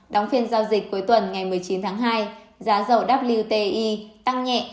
đóng phiên giao dịch cuối tuần ngày một mươi chín tháng hai giá dầu wti tăng nhẹ